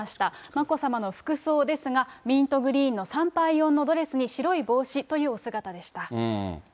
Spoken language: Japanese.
眞子さまの服装ですが、ミントグリーンの参拝用のドレスに白い帽子というお姿でした。